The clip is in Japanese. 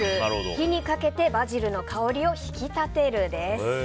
火にかけてバジルの香りを引き立てるです。